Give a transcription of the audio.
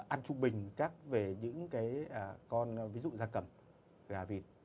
ăn trung bình các về những cái con ví dụ gia cầm gà vịt